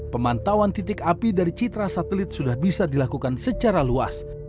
pemantauan titik api dari citra satelit sudah bisa dilakukan secara luas